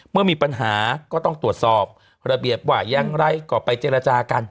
เมื่อมีปัญหาก็ต้องตรวจสอบระเบียบว่าอย่างไรก็ไปเจรจากัน